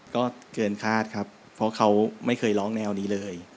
ก็เกินคาดครับเพราะเขาไม่เคยร้องแนวนี้เลย